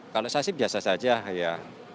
kalau saya sih biasa saja ya